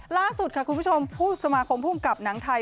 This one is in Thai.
ล่าสุดค่ะคุณผู้ชมผู้สมาคมภูมิกับหนังไทย